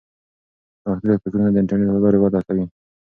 نوښتګر فکرونه د انټرنیټ له لارې وده کوي.